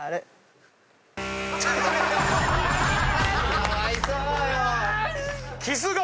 かわいそうよ！